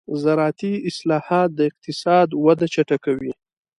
زراعتي اصلاحات د اقتصاد وده چټکوي.